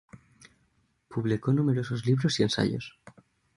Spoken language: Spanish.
Publicó numerosos libros y ensayos.